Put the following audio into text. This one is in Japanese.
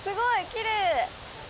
きれい！